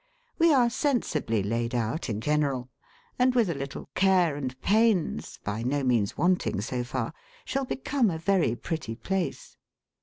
We are sensibly laid out in general; and with a little care and pains (by no means wanting, so far), shall become a very pretty place.